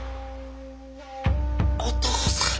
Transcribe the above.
お父さん。